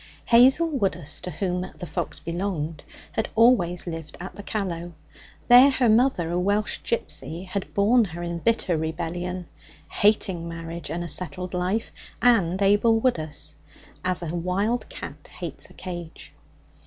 Hazel Woodus, to whom the fox belonged, had always lived at the Callow. There her mother, a Welsh gipsy, had born her in bitter rebellion, hating marriage and a settled life and Abel Woodus as a wild cat hates a cage.